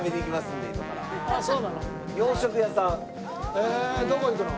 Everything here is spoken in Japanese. へえどこ行くの？